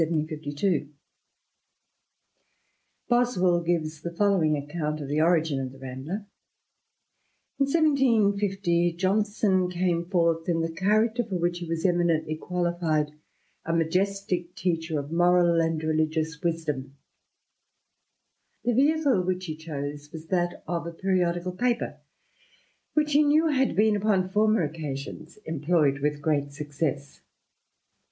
THE RAMBLER. THE RAMBLER. 1750 1752. ••• WELL gives the following account of the origin of the Rambler:'^ 1750 Johnson came forth in the character for which he was ently qualified — a majestick teacher of moral and religious wisdom, vehicle which he chose was that of a periodical paper, which ho r had been, upon former occasions, employed with great success.